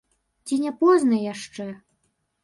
Ці не позна яшчэ?